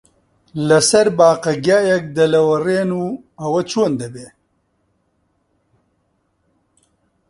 لەسەر باقە گیایەک دەلەوەڕێن، ئەوە چۆن دەبێ؟